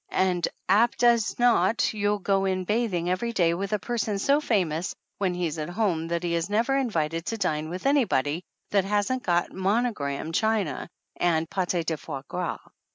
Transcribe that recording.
And apt as not you'll go in bathing every day with a person so famous when he's at home that he is never invited to dine with anybody that hasn't got monogram china and pate de foie gras.